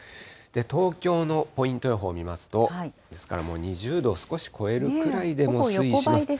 東京のポイント予報を見ますと、ですからもう２０度少し超えるぐらいで推移します。